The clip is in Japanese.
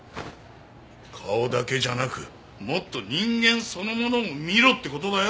顔だけじゃなくもっと人間そのものを見ろって事だよ。